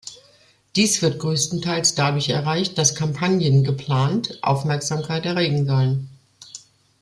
Dies wird größtenteils dadurch erreicht, dass Kampagnen "geplant" Aufmerksamkeit erregen sollen.